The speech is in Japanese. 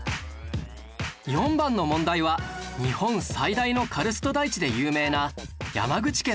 ４番の問題は日本最大のカルスト台地で有名な山口県の名所